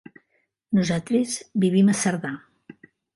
Nosaltres vivim a Cerdà.